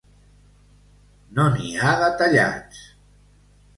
No n'hi ha de tallats!